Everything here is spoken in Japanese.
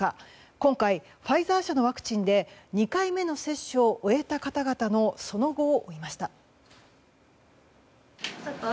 今回、ファイザー社のワクチンで２回目の接種を終えた方々のその後を見ました。